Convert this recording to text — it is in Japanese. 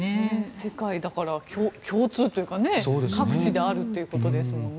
世界共通というか各地であるということですもんね。